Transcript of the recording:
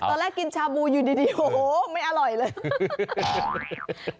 ตอนแรกกินชาบูอยู่ดีโอ้โหไม่อร่อยเลย